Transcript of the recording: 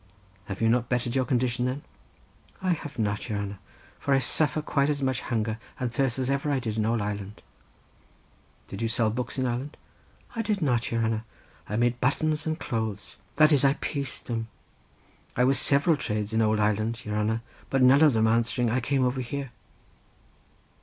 "You have not bettered your condition, then?" "I have not, your hanner; for I suffer quite as much hunger and thirst as ever I did in ould Ireland." "Did you sell books in Ireland?" "I did nat, your hanner; I made buttons and clothes—that is I pieced them. I was several trades in ould Ireland, your hanner; but none of them answering, I came over here."